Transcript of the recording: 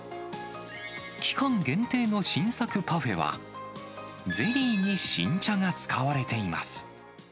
期間限定の新作パフェは、ゼリーに新茶が使われています。